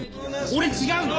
俺違うの。